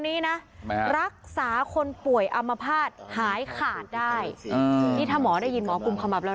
พ่อปู่ฤาษีเทพนรสิงค่ะมีเฮ็ดโฟนเหมือนเฮ็ดโฟน